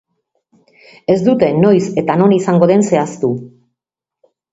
Ez dute noiz eta non izango den zehaztu.